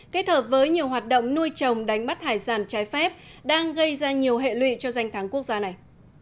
kết hợp với nhiều hoạt động nuôi trồng đánh bắt hải sản trái phép đang gây ra nhiều hệ lụy cho danh thắng quốc gia này